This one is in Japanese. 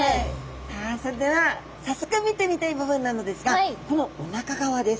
さあそれでは早速見てみたい部分なのですがこのおなか側です。